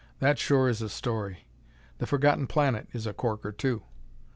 That sure is a story! "The Forgotten Planet" is a corker, too!